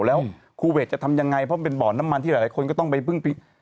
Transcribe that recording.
แล้วคูเวทจะทำยังไงเพราะมันเป็นบ่อนน้ำมันที่หลายคนก็ต้องไปพึ่ง